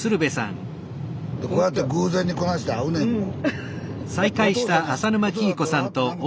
こうやって偶然にこないして会うねんもん。